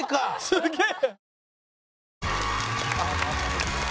すげえ！